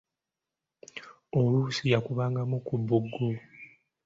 Oluusi yakubangamu ku buggo.